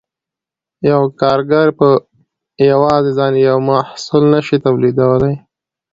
یو کارګر په یوازې ځان یو محصول نشي تولیدولی